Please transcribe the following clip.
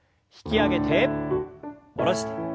引き上げて下ろして。